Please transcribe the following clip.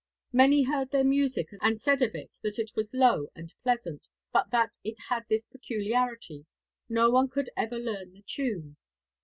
Many heard their music, and said of it that it was low and pleasant; but that it had this peculiarity: no one could ever learn the tune.